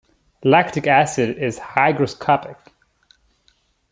Lactic acid is hygroscopic.